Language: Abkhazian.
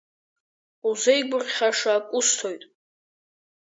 Узеигәырӷьаша ак усҭоит.